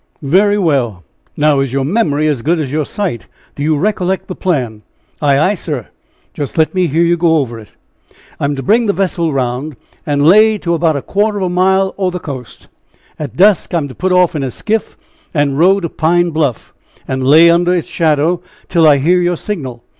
"Very well! now, is your memory as good as your sight? Do you recollect the plan?" "Ay, ay, sir." "Just let me hear you go over it." "I'm to bring the vessel round, and lay to about a quarter of a mile o' the coast. At dusk I'm to put off in a skiff and row to Pine Bluff, and lay under its shadow till I hear your signal.